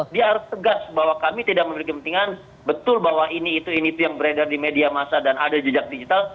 dia harus tegas bahwa kami tidak memiliki kepentingan betul bahwa ini itu ini yang beredar di media masa dan ada jejak digital